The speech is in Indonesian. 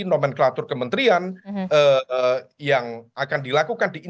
nomenklatur kementerian yang akan dilakukan di indonesia